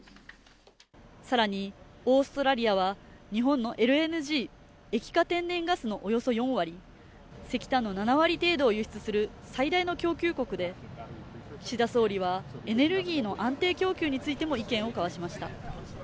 更に、オーストラリアは日本のＬＮＧ＝液化天然ガスのおよそ４割、石炭の７割程度を輸出する最大の供給国で、岸田総理は、エネルギーの安定供給についても意見を交わしました。